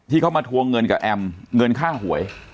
ที่เขามาทวงเงินกับแอมเงินค่าหวย